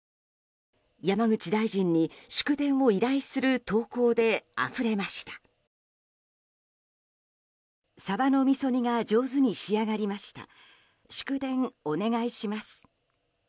山口大臣に祝電を依頼する投稿であふれました。